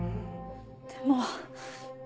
でも。